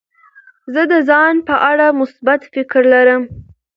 زه د ځان په اړه مثبت فکر لرم.